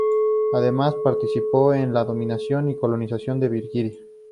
Además participó en la dominación y colonización de Virginia.